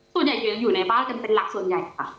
ส่วนใหญ่อยู่ในบ้านกันเป็นหลักส่วนใหญ่ค่ะ